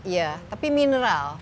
ya tapi mineral